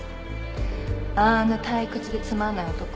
あんな退屈でつまんない男